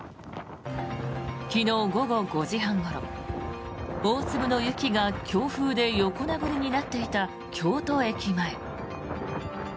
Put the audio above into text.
昨日午後５時半ごろ大粒の雪が、強風で横殴りになっていた京都駅前。